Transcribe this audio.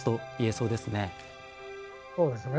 そうですね。